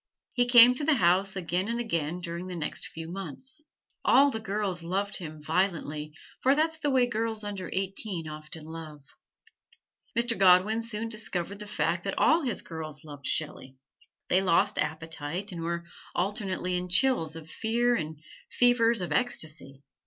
He came to the house again and again during the next few months. All the girls loved him violently, for that's the way girls under eighteen often love. Mr. Godwin soon discovered the fact that all his girls loved Shelley. They lost appetite, and were alternately in chills of fear and fevers of ecstacy.